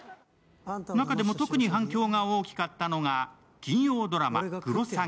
中でも特に反響が大きかったのが金曜ドラマ「クロサギ」。